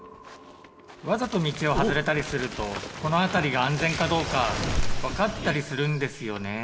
わざと道を外れたりするとこの辺りが安全かどうか分かったりするんですよねぇ。